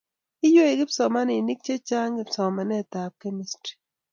Iywei kipsomaninik che chang' somanetab Kemistri